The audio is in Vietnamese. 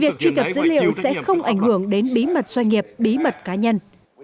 việc truy cập dữ liệu sẽ không ảnh hưởng đến bí mật doanh nghiệp bí mật cá nhân